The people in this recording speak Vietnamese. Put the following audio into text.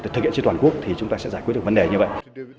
thực hiện trên toàn quốc thì chúng ta sẽ giải quyết được vấn đề như vậy